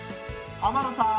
天野さん